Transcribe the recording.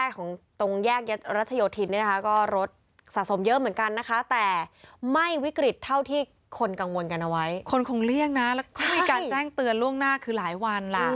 คนคงเลี่ยงนะแล้วเขามีการแจ้งเตือนล่วงหน้าคือหลายวันล่ะ